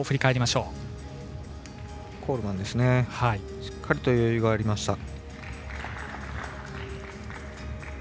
しっかりと余裕がありました。